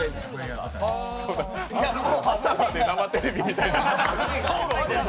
「朝まで生テレビ」みたいな。